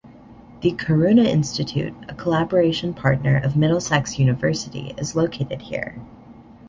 The Karuna Institute, a collaboration partner of Middlesex University is located here.